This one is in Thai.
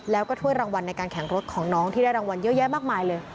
แล้วก็ถ้วยรางวัลในการแข่งรถของน้องที่ได้รางวัลเยอะแยะมากมายเลย